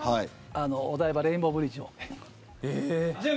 お台場やレインボーブリッジも。